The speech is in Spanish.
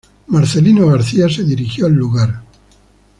Marcelino García se dirigió al lugar.